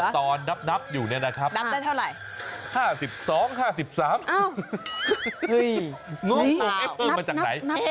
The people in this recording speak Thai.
แล้วตอนนับอยู่นี่นะครับนับได้เท่าไหร่